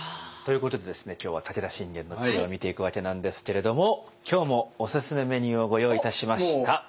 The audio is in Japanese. ということで今日は武田信玄の知恵を見ていくわけなんですけれども今日もおすすめメニューをご用意いたしました。